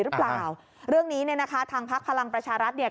หรือเปล่าอ่าฮะเรื่องนี้เนี่ยนะคะทางพักพลังประชารัฐเนี่ย